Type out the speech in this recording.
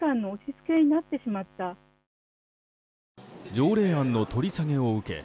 条例案の取り下げを受け